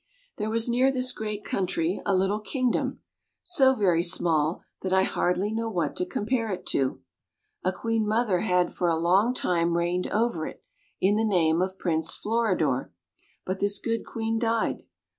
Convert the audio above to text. There was near this great country a little kingdom, so very small that I hardly know what to compare it to. A Queen Mother had for a long time reigned over it, in the name of Prince Floridor; but this good Queen died.